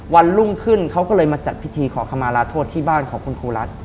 วันรุ่งขึ้นเขาก็เลยมาจัดพิธีขอคำมาลาโทษที่บ้านของคุณครูรัฐ